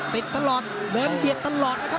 ติดตลอดเดินเบียดตลอดนะครับ